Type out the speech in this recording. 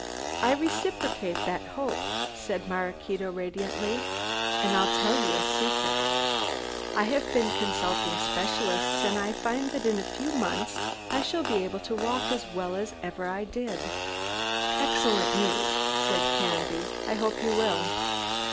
"I reciprocate the hope," said Maraquito radiantly, "and I'll tell you a secret. I have been consulting specialists, and I find that in a few months I shall be able to walk as well as ever I did." "Excellent news," said Caranby, "I hope you will."